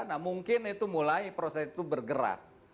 nah mungkin itu mulai proses itu bergerak